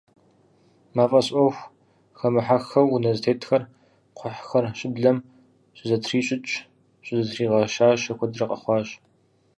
Мафӏэс ӏуэху хэмыхьэххэу, унэ зэтетхэр, кхъухьхэр, щыблэм щызэтрищӏыкӏ, щызэтригъэщащэ куэдрэ къэхъуащ.